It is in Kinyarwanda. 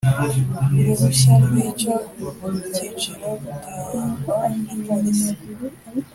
uruhushya rw’ icyo cyiciro rutangwa na Polisi